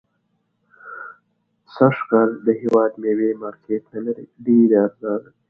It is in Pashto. سږ کال د هيواد ميوي مارکيټ نلري .ډيري ارزانه دي